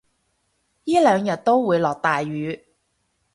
依兩日都會落大雨